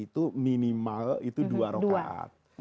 itu minimal itu dua rokaat